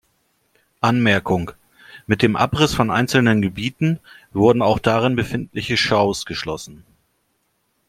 Anmerkung: Mit dem Abriss von einzelnen Gebieten, wurden auch darin befindliche Shows geschlossen.